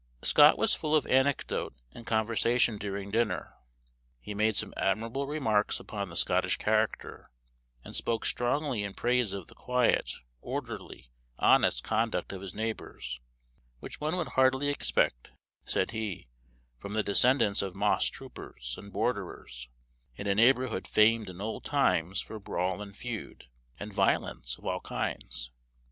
Scott was full of anecdote and conversation during dinner. He made some admirable remarks upon the Scottish character, and spoke strongly in praise of the quiet, orderly, honest conduct of his neighbors, which one would hardly expect, said he, from the descendants of moss troopers, and borderers, in a neighborhood famed in old times for brawl and feud, and violence of all kinds.